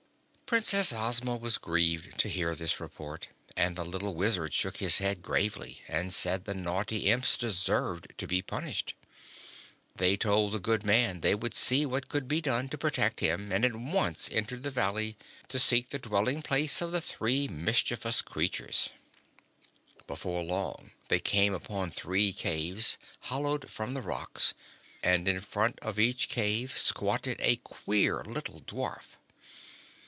Princess Ozma was grieved to hear this report and the little Wizard shook his head gravely and said the naughty Imps deserved to be punished. They told the good man they would see what could be done to protect him and at once entered the valley to seek the dwelling place of the three mischievous creatures. Before long they came upon three caves, hollowed from the rocks, and in front of each cave squatted a queer little dwarf.